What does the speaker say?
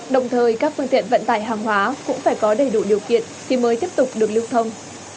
đồng thời các phương tiện vận tải hàng hóa cũng phải có đầy đủ điều kiện thì mới tiếp tục được lưu thông